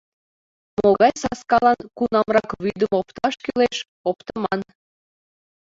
Могай саскалан кунамрак вӱдым опташ кӱлеш — оптыман.